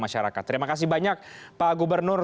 masyarakat terima kasih banyak pak gubernur